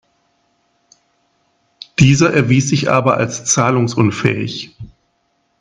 Dieser erwies sich aber als zahlungsunfähig.